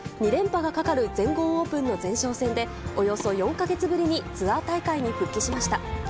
２連覇がかかる全豪オープンの前哨戦でおよそ４か月ぶりにツアー大会に復帰しました。